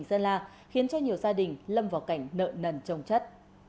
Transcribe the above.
nói chung là khiến cho nhiều gia đình lâm vào cảnh nợ nần trông chất